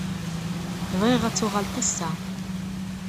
Bɣiɣ ad tuɣaleḍ ass-a.